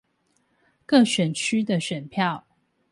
各選區的選票